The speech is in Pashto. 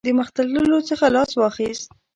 د مخته تللو څخه لاس واخیست.